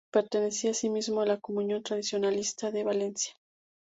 Pertenecía asimismo a la Comunión Tradicionalista de Valencia.